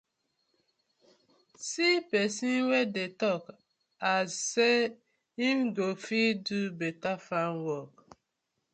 See pesin wey dey tok as say im go fit do betta farm wok.